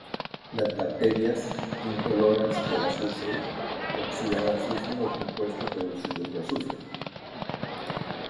Las bacterias incoloras del azufre oxidan azufre o compuestos reducidos de azufre.